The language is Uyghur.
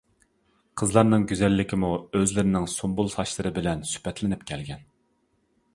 قىزلارنىڭ گۈزەللىكمۇ ئۆزلىرىنىڭ سۇمبۇل چاچلىرى بىلەن سۈپەتلىنىپ كەلگەن.